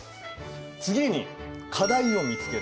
次に課題を見つける。